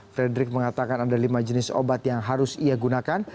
frederick mengatakan ada lima jenis obat yang harus ia gunakan